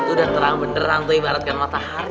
udah terang benderang tuh ibaratkan matahari